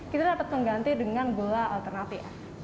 kita dapat mengganti dengan gula alternatif